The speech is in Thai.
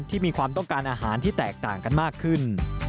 มีความต้องการอาหารที่แตกต่างกันมากขึ้น